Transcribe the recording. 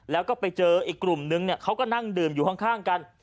แล้วก็ไปเจออีกกลุ่มนึงเขาก็นั่งดื่มอยู่ข้างกัน